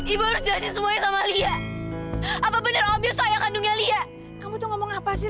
ibu harus ganti semuanya sama lia apa bener omel sayang kandungnya lia kamu tuh ngomong apa sih